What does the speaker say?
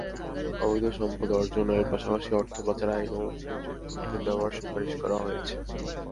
অবৈধ সম্পদ অর্জনের পাশাপাশি অর্থ পাচার আইনেও অভিযোগপত্র দেওয়ার সুপারিশ করা হয়েছে।